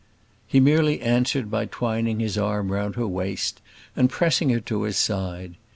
He merely answered her by twining his arm round her waist and pressing her to his side.